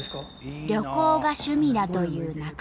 旅行が趣味だという中村さん。